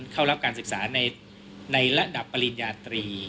เข้ารับการศึกษาในระดับปริญญาตรี